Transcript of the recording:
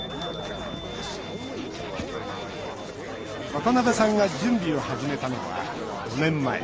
渡辺さんが準備を始めたのは５年前。